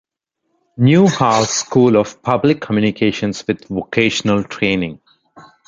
Newhouse School of Public Communications with vocational training.